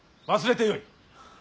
忘れてよい。